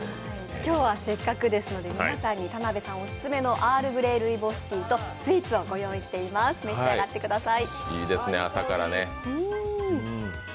今日はせっかくですので、田辺さんオススメのアールグレイルイボスティーとスイーツを御用意しています、召し上がってください。